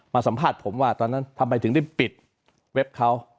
สัมภาษณ์ผมว่าตอนนั้นทำไมถึงได้ปิดเว็บเขา